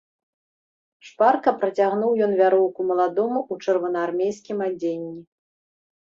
Шпарка працягнуў ён вяроўку маладому ў чырвонаармейскім адзенні.